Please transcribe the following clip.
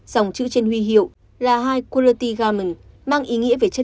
dòng chữ trên huy hiệu là high quality garment mang ý nghĩa về chất lượng